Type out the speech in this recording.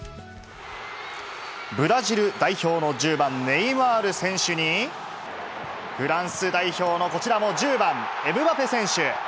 ブラジル代表の１０番ネイマール選手に、フランス代表のこちらも１０番エムバペ選手。